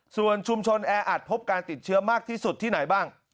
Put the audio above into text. ส่วนชุมชนแออัดพบการติดเชื้อมากที่สุดที่ไหนบ้าง